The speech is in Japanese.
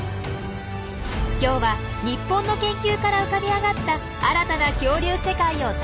今日は日本の研究から浮かび上がった新たな恐竜世界を大特集。